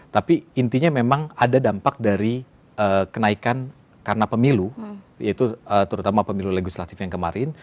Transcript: tapi intinya memang ada dampak dari kenaikan karena pemilu terutama pemilu legislatif yang kemarin